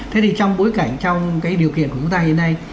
thế thì trong bối cảnh trong cái điều kiện của chúng ta hiện nay